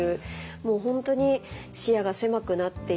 もう本当に視野が狭くなっていった。